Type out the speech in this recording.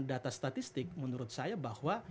data statistik menurut saya bahwa